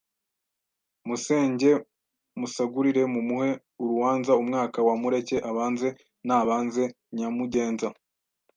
musenge musagurire Mumuhe uruanza Umwaka wa Mureke abanze Nabanze Nyamugenza